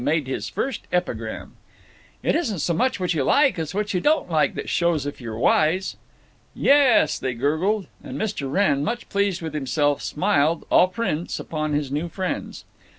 made his first epigram: "It isn't so much what you like as what you don't like that shows if you're wise." "Yes," they gurgled; and Mr. Wrenn, much pleased with himself, smiled au prince upon his new friends. Mrs.